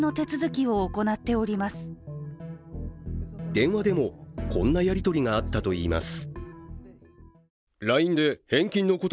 電話でもこんなやり取りがあったといいます。